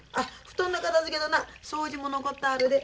布団の片づけとな掃除も残ったあるで。